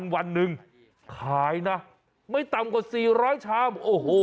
วันหนึ่งขายนะไม่ต่ำกว่า๔๐๐ชามโอ้โห